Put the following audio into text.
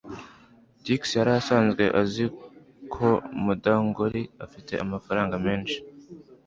Trix yari asanzwe azi ko Mukandoli afite amafaranga menshi